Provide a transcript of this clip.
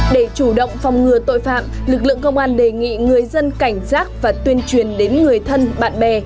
để chủ động phòng ngừa tội phạm lực lượng công an đề nghị người dân cảnh giác và tuyên truyền đến người thân bạn bè